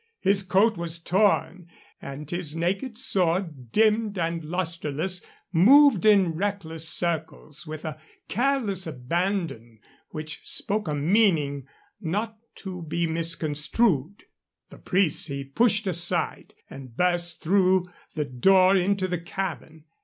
His coat was torn, and his naked sword, dimmed and lusterless, moved in reckless circles with a careless abandon which spoke a meaning not to be misconstrued. The priests he pushed aside, and burst through the door into the cabin.